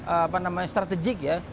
apa namanya strategik ya